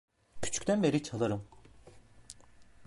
Küçükten beri çalarım.